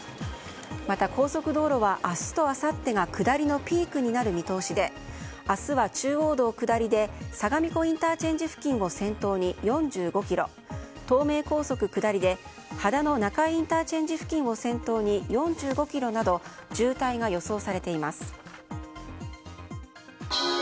また、高速道路は明日とあさってが下りのピークになる見通しで明日は中央道下りで相模湖ＩＣ付近を先頭に４５ｋｍ東名高速下りで秦野中井ＩＣ付近を先頭に４５ｋｍなど渋滞が予想されています。